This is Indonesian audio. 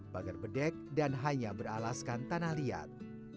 pagar bedek dan hanya beralaskan tanah liat